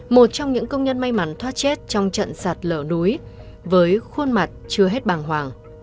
một trong những công nhân may mắn thoát chết trong trận sạt lở núi với khuôn mặt chưa hết bàng hoàng